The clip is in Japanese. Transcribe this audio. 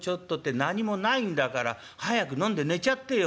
何もないんだから早く飲んで寝ちゃってよ」。